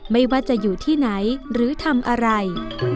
ไม่ว่าจะอยู่ที่ไหนหรือทำอะไร